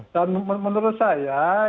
dan menurut saya